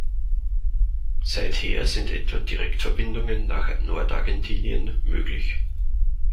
Seither sind etwa Direktverbindungen nach Nordargentinien möglich.